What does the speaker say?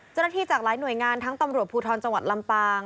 จากหลายหน่วยงานทั้งตำรวจภูทรจังหวัดลำปาง